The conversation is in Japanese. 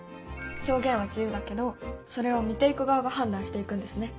表現は自由だけどそれを見ていく側が判断していくんですね。